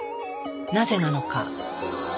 なぜなのか。